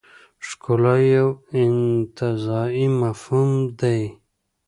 ښکلا یو انتزاعي مفهوم دی.